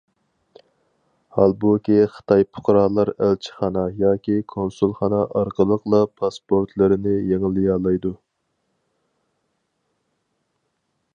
ھالبۇكى خىتاي پۇقرالار ئەلچىخانا ياكى كونسۇلخانا ئارقىلىقلا پاسپورتلىرىنى يېڭىلىيالايدۇ.